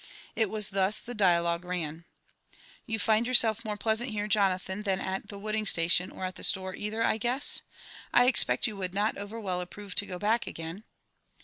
It wae thos the dialogue ran :•Yon find yourself more pleasant here, Jonathan, than at the wooding, station, or at the store either, I guess? 1 expect you wonld not over^well epprove to go back again